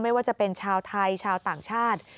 ไม่ว่าจะเป็นชาวไทยชาวต่างชาติ